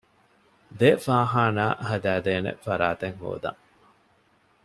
ދެ ފާޚާނާ ހަދައިދޭނެ ފަރާތެއް ހޯދަން